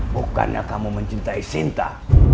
bukannya kamu mencintai sinta